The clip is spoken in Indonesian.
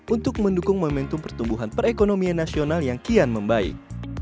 untuk mendukung momentum pertumbuhan perekonomian nasional yang kian membaik